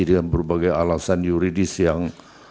dengan berbagai alasan yuridis yang